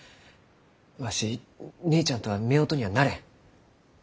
わし姉ちゃんとはめおとにはなれん。